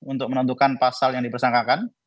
untuk menentukan pasal yang dipersangkakan